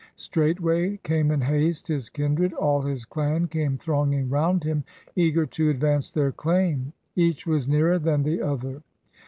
Straightway came in haste his kindred, All his clan came thronging round him, Eager to advance their claim; Each was nearer than the other.